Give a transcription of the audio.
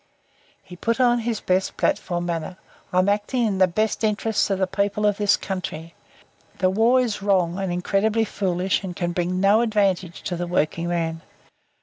He put on his best platform manner. "I'm acting in the best interests of the people of this country. The war is wrong and incredibly foolish and can bring no advantage to the working man.